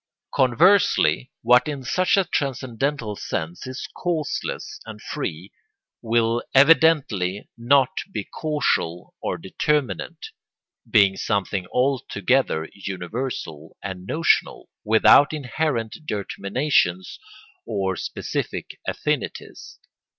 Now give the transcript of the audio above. Conversely, what in such a transcendental sense is causeless and free will evidently not be causal or determinant, being something altogether universal and notional, without inherent determinations or specific affinities.